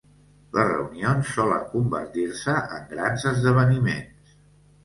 Les reunions solen convertir-se en grans esdeveniments.